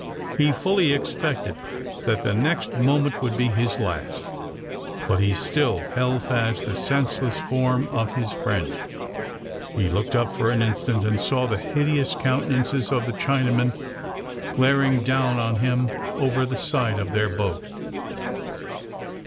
He fully expected that the next moment would be his last; but he still held fast the senseless form of his friend. He looked up for an instant, and saw the hideous countenances of the Chinamen glaring down on him over the side of their boat.